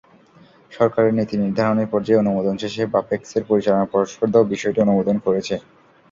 সরকারের নীতিনির্ধারণী পর্যায়ে অনুমোদন শেষে বাপেক্সের পরিচালনা পর্ষদও বিষয়টি অনুমোদন করেছে।